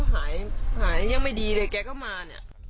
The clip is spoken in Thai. หายกันยังไม่ดีเลยก็มา